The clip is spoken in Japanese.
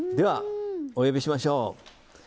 お呼びしましょう。